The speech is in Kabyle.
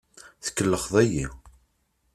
Tkellxeḍ-iyi!